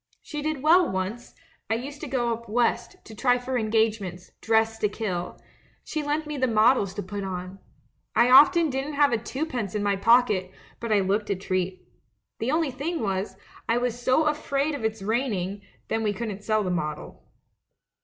She did well once; I used to go up West, to try for engage ments, dressed to kill — she lent me the models to put on. I often didn't have twopence in my pocket, but I looked a treat. The only thing was, I was so afraid of its raining — then we couldn't sell the model.'